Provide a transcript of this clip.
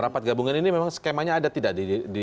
rapat gabungan ini memang skemanya ada tidak di